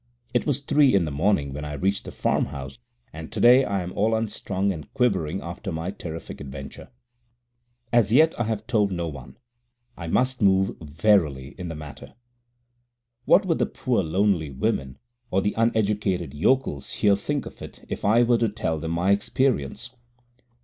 It was three in the morning when I reached the farm house, and today I am all unstrung and quivering after my terrific adventure. As yet I have told no one. I must move warily in the matter. What would the poor lonely women, or the uneducated yokels here think of it if I were to tell them my experience?